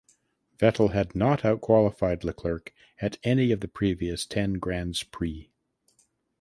Vettel had not outqualified Leclerc at any of the previous ten Grands Prix.